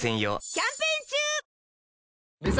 キャンペーン中！